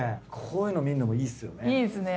こういうの見るのもいいっすよね。